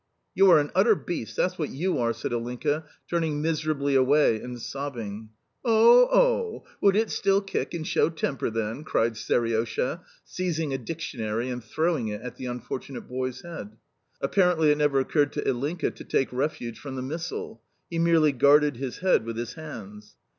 "You are an utter beast! That's what YOU are!" said Ilinka, turning miserably away and sobbing. "Oh, oh! Would it still kick and show temper, then?" cried Seriosha, seizing a dictionary and throwing it at the unfortunate boy's head. Apparently it never occurred to Ilinka to take refuge from the missile; he merely guarded his head with his hands.